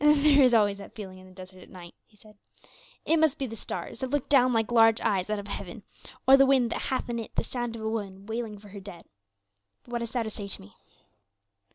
"There is always that feeling in the desert at night," he said. "It must be the stars, that look down like large eyes out of heaven; or the wind, that hath in it the sound of a woman wailing for her dead. But what hast thou to say to me?"